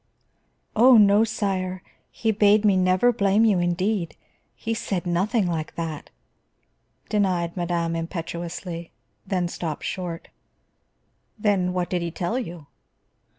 "Oh, no, sire. He bade me never blame you, indeed. He said nothing like that," denied madame impetuously, then stopped short. "Then what did he tell you?"